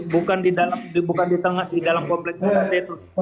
bukan di tengah di dalam komplek mahad al zaitun